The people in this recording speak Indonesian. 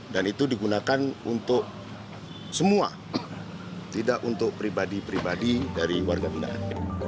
dan itu digunakan untuk semua tidak untuk pribadi pribadi dari warga pindahan